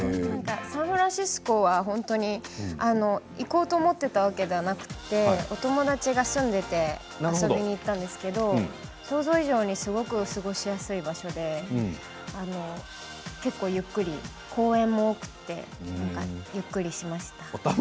サンフランシスコは本当に行こうと思っていたわけではなくお友達が住んでいたので遊びに行ったんですけれど想像以上にすごく過ごしやすい場所で結構ゆっくり、公園も多くてゆっくりしました。